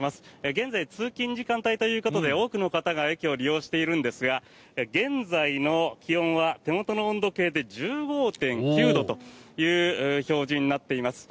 現在、通勤時間帯ということで多くの方が駅を利用しているんですが現在の気温は手元の温度計で１５．９度という表示になっています。